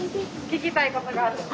聞きたいことがあるって。